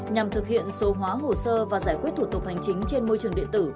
nhằm thực hiện số hóa hồ sơ và giải quyết thủ tục hành chính trên môi trường điện tử